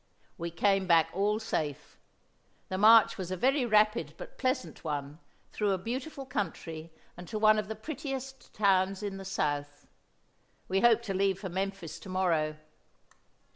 We came back all safe. The march was a very rapid, but pleasant one, through a beautiful country and to one of the prettiest towns in the South. We hope to leave for Memphis to morrow."